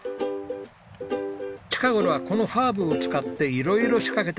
近頃はこのハーブを使って色々仕掛けてます。